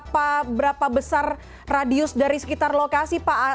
berapa besar radius dari sekitar lokasi pak